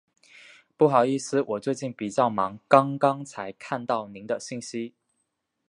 不好意思，我最近比较忙，刚刚才看到您的信息。